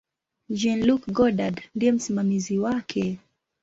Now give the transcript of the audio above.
Jean-Luc Godard ndiye msimamizi wake.